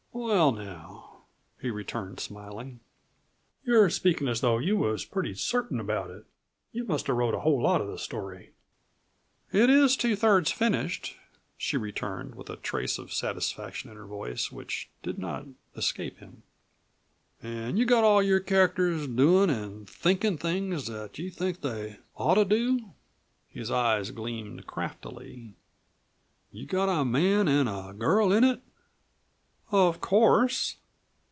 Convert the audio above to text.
"Well, now," he returned smiling, "you're speakin' as though you was pretty certain about it. You must have wrote a whole lot of the story." "It is two thirds finished," she returned with a trace of satisfaction in her voice which did not escape him. "An' you've got all your characters doin' an' thinkin' things that you think they ought to do?" His eyes gleamed craftily. "You got a man an' a girl in it?" "Of course."